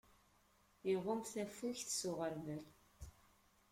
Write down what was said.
Iɣumm tafugt s uɣerbal.